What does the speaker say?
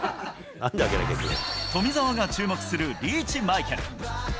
富澤が注目するリーチマイケル。